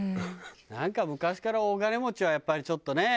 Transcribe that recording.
なんか昔から大金持ちはやっぱりちょっとね和のね。